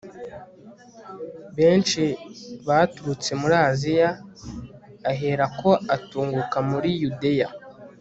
benshi baturutse muri aziya, ahera ko atunguka muri yudeya